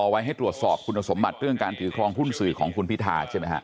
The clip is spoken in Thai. ไว้ให้ตรวจสอบคุณสมบัติเรื่องการถือครองหุ้นสื่อของคุณพิธาใช่ไหมฮะ